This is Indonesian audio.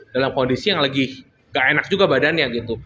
dalam kondisi yang lagi gak enak juga badannya gitu